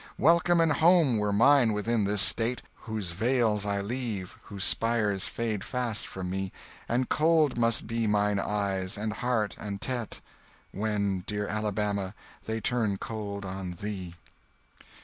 Welcome and home were mine within this State, Whose vales I leave—whose spires fade fast from me And cold must be mine eyes, and heart, and tete, When, dear Alabama! they turn cold on thee!"